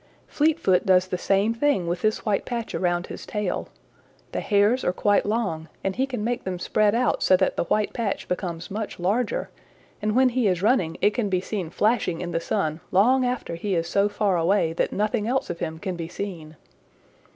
Fleetfoot does the same thing with this white patch around his tail. The hairs are quite long and he can make them spread out so that that white patch becomes much larger, and when he is running it can be seen flashing in the sun long after he is so far away that nothing else of him can be seen.